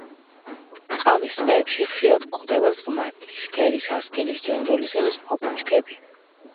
წყავის ტყეებში ხშირად გვხდება ზღმარტლი ,შქერის, ასკილის ჯონჯოლისა და სხვა ბუჩქები.